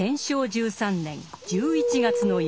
１３年１１月の夜。